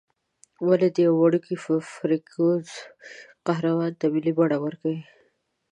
ولې د یوه وړوکي فرکسیون قهرمان ته ملي بڼه ورکوې.